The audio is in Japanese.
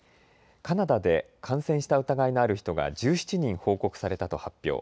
カナダで感染した疑いのある人が１７人報告されたと発表。